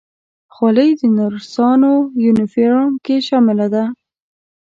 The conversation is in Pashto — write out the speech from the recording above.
خولۍ د نرسانو یونیفورم کې شامله ده.